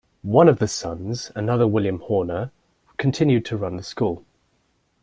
One of the sons, another William Horner, continued to run the school.